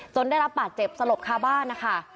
ได้รับบาดเจ็บสลบคาบ้านนะคะ